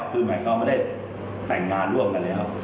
คือหมายความว่าไม่ได้แต่งงานร่วมกันแล้ว